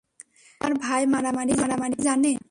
তোমার ভাই মারামারি জানে?